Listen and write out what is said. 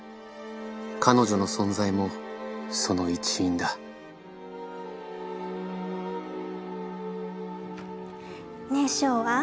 彼女の存在もその一因だねえショウアン。